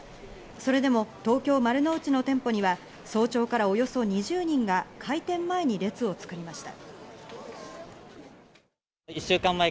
それでも東京・丸の内の店舗には早朝からおよそ２０人が開店前に列を作りました。